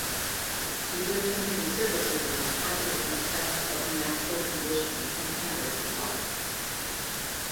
Egyptian conservatism is partly an effect of natural conditions and habits of life.